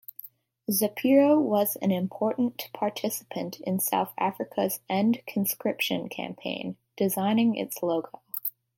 Zapiro was an important participant in South Africa's End Conscription Campaign, designing its logo.